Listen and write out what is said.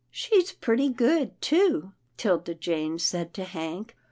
" She's pretty good too," 'Tilda Jane said to Hank.